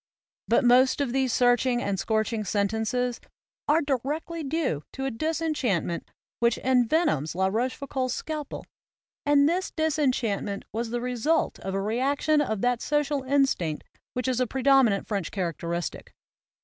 But most of these searching and scorching sen tences are directly due to a disenchantment which envenoms La Rochefoucauld's scalpel; and this disenchantment was the result of a reaction of that social instinct which is a pre dominant French characteristic.